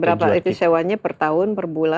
berapa itu sewanya per tahun per bulan